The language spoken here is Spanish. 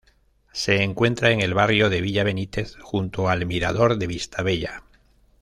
Se encuentra en el barrio de Villa Benítez, junto al Mirador de Vistabella.